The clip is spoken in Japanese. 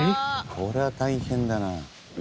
これは大変だな。